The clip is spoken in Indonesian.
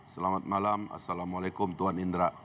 selamat malam assalamu'alaikum tuhan indra